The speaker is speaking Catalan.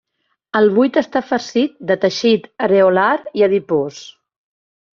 El buit està farcit de teixit areolar i adipós.